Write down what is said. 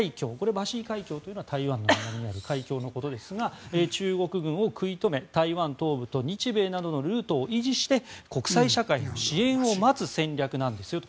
バシー海峡というのは台湾の南にある海峡のことですが中国軍を食い止め、台湾東部と日米などのルートを維持して国際社会の支援を待つ戦略なんですよと。